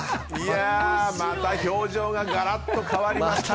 また表情がガラッと変わりました。